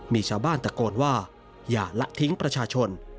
มีชาวบ้านตะโกนว่าอย่าละทิ้งประชาชน